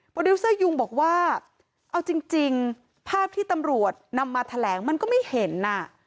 ดิวเซอร์ยุงบอกว่าเอาจริงภาพที่ตำรวจนำมาแถลงมันก็ไม่เห็น